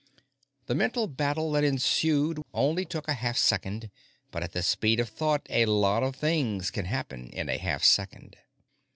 The mental battle that ensued only took a half second, but at the speed of thought, a lot of things can happen in a half second.